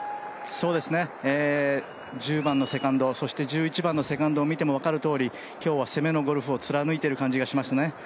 １０番のセカンド、１１番のセカンドを見ても分かるとおり今日は攻めのゴルフを貫いている感じがしますね。